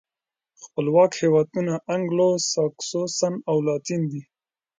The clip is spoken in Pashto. خپلواک هېوادونه انګلو ساکسوسن او لاتین دي.